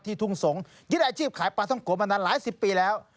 ที่ทุ่งสงส์ยิ่งได้อาชีพขายปลาต้องโกะมานานหลายสิบปีแล้ว